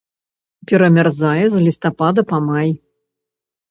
Перамярзае з лістапада па май.